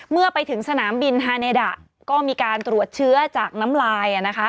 เมื่อไปถึงสนามบินฮาเนดะก็มีการตรวจเชื้อจากน้ำลาย